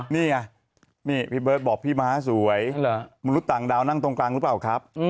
นี่ไงนี่พี่เบิร์ตบอกพี่ม้าสวยมนุษย์ต่างดาวนั่งตรงกลางหรือเปล่าครับ